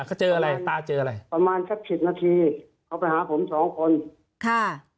เขาเจออะไรตาเจออะไรประมาณสักสิบนาทีเขาไปหาผมสองคนค่ะ